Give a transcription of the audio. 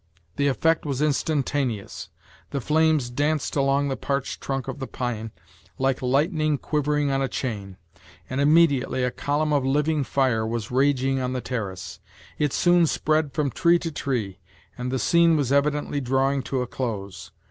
The effect was instantaneous, The flames danced along the parched trunk of the pine like lightning quivering on a chain, and immediately a column of living fire was raging on the terrace. It soon spread from tree to tree, and the scene was evidently drawing to a close.